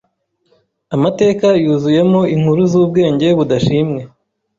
Amateka yuzuyemo inkuru zubwenge budashimwe.